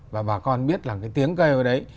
và bà con biết là cái tiếng cây ở đấy